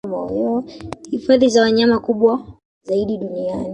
Hifadhi za wanyama kubwa zaidi duniani